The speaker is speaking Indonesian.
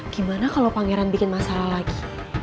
gimana kalau pangeran bikin masalah lagi